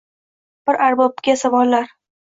Bir arbobga savollar